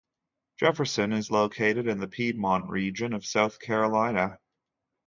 Jefferson is located in the Piedmont region of South Carolina.